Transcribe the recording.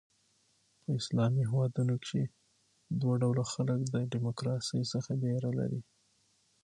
په اسلامي هیوادونو کښي دوه ډوله خلک د ډیموکراسۍ څخه بېره لري.